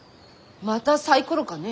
またサイコロかね？